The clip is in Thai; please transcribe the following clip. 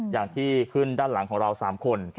อย่างที่ขึ้นด้านหลังของเรา๓คน